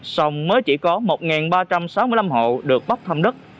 xong mới chỉ có một ba trăm sáu mươi năm hộ được bắp thăm đất